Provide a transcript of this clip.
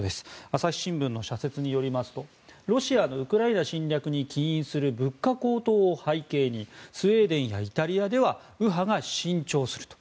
朝日新聞の社説によりますとロシアのウクライナ侵略に起因する物価高騰を背景にスウェーデンやイタリアでは右派が伸長すると。